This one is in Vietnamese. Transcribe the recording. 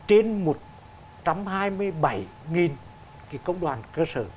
trên một trăm hai mươi bảy công đoàn cơ sở